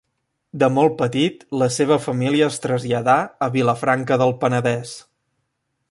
De molt petit la seva família es traslladà a Vilafranca del Penedès.